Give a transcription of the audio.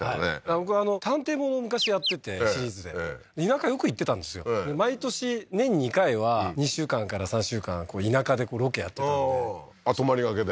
僕探偵ものを昔やっててシリーズで田舎よく行ってたんですよ毎年年２回は２週間から３週間田舎でロケやってたんで泊まりがけで？